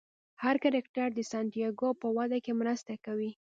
هر کرکټر د سانتیاګو په وده کې مرسته کوي.